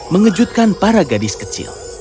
mengejutkan para gadis kecil